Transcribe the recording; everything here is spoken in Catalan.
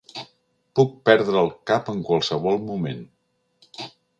Puc perdre el cap en qualsevol moment.